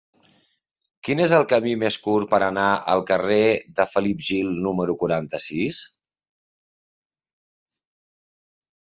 Quin és el camí més curt per anar al carrer de Felip Gil número quaranta-sis?